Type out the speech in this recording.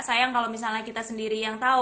sayang kalau misalnya kita sendiri yang tahu